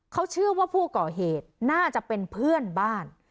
เขาเชื่อว่าผู้ก่อเหตุน่าจะเป็นเพื่อนบ้าน